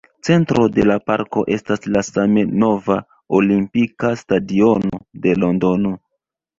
Centro de la parko estas la same nova Olimpika Stadiono de Londono.